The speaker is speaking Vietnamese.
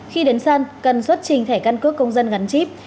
khi đến sân cần xuất trình thẻ căn cước công dân gắn chip